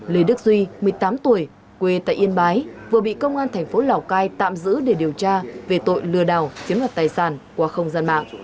lê đức duy một mươi tám tuổi quê tại yên bái vừa bị công an thành phố lào cai tạm giữ để điều tra về tội lừa đảo chiếm đoạt tài sản qua không gian mạng